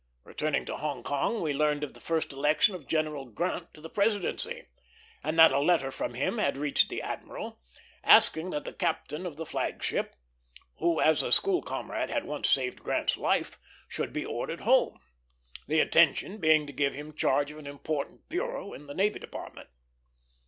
Returning to Hong Kong, we learned of the first election of General Grant to the presidency, and that a letter from him had reached the admiral asking that the captain of the flag ship, who as a school comrade had once saved Grant's life, should be ordered home; the intention being to give him charge of an important bureau in the Navy Department.